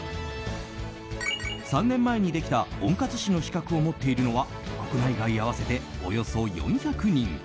３年前にできた温活士の資格を持っているのは国内外合わせておよそ４００人。